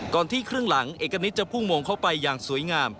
ที่ครึ่งหลังเอกณิตจะพุ่งมองเข้าไปอย่างสวยงาม